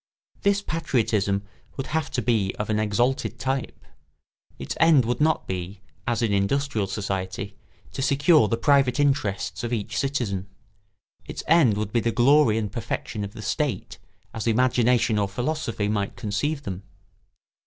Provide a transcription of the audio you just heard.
This patriotism would have to be of an exalted type. Its end would not be, as in industrial society, to secure the private interests of each citizen; its end would be the glory and perfection of the state as imagination or philosophy might conceive them.